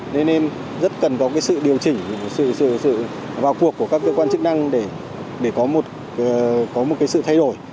nên rất cần có sự điều chỉnh sự vào cuộc của các cơ quan chức năng để có một cái sự thay đổi